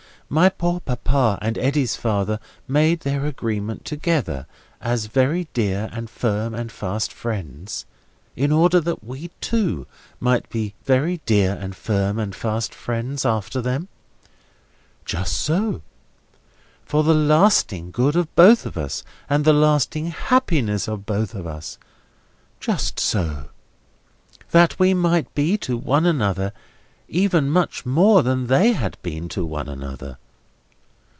My poor papa and Eddy's father made their agreement together, as very dear and firm and fast friends, in order that we, too, might be very dear and firm and fast friends after them?" "Just so." "For the lasting good of both of us, and the lasting happiness of both of us?" "Just so." "That we might be to one another even much more than they had been to one another?"